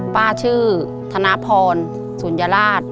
ป้าชื่อธนพรสุญราช